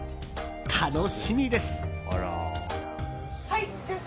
楽しみです！